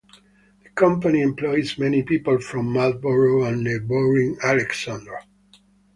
The company employs many people from Marlboro and neighbouring Alexandra.